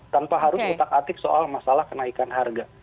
tanpa harus utak atik soal masalah kenaikan harga